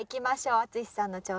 淳さんの挑戦です。